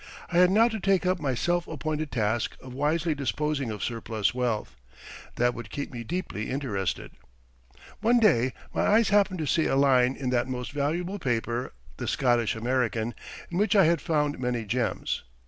I had now to take up my self appointed task of wisely disposing of surplus wealth. That would keep me deeply interested. One day my eyes happened to see a line in that most valuable paper, the "Scottish American," in which I had found many gems.